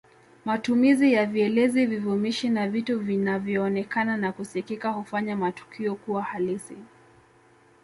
Matumizi ya vielezi vivumishi na vitu vinavyoonekana na kusikika hufanya matukio kuwa halisi